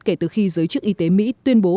kể từ khi giới chức y tế mỹ tuyên bố